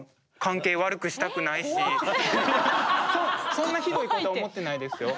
そんなひどいことは思ってないですよ。